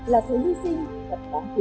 là sự di sinh thật đáng ký